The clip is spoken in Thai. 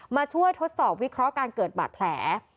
มาช่วยทดสอบวิเคราะห์การเกิดบาดแผล